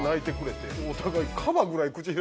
お互い。